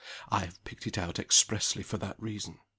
I have picked it out expressly for that reason.